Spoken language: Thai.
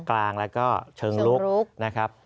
กลางแล้วก็เชิงลุกนะครับ